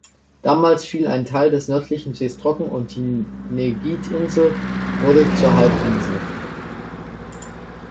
Damals fiel ein Teil des nördlichen Sees trocken und die Negit-Insel wurde zur Halbinsel.